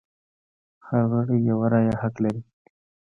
هر غړی یوه رایه حق لري.